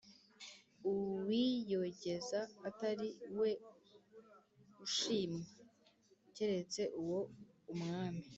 uwiyogeza atari we ushimwa keretse uwo Umwami